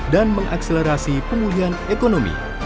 dan mengakselerasikan kegiatan ekonomi domestik